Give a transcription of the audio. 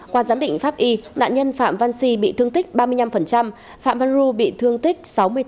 qua giám định pháp y nạn nhân phạm văn si bị thương tích ba mươi năm phạm văn ru bị thương tích sáu mươi tám